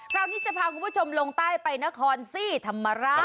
คราวนี้จะพาคุณผู้ชมลงใต้ไปนครซี่ธรรมราช